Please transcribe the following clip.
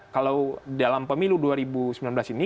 kalau dalam pemilu dua ribu sembilan belas ini